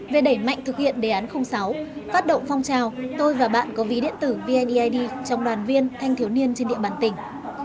về đẩy mạnh thực hiện đề án sáu phát động phong trào tôi và bạn có ví điện tử vneid trong đoàn viên thanh thiếu niên trên địa bàn tỉnh